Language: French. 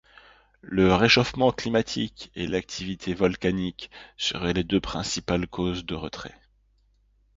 Le réchauffement climatique et l'activité volcanique seraient les deux principales causes de retrait.